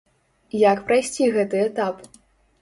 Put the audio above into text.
Як прайсці гэты этап?